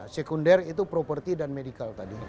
sekunder itu properti dan medical tadi